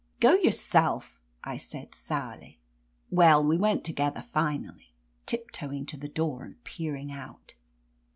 "Go yourself !" I said sourly. Well, we went together, finally, tiptoeing to the door and peering out.